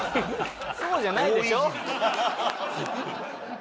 そうじゃないでしょ。